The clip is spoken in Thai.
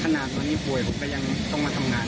ณตอนนี้ป่วยผมก็ยังต้องมาทำงาน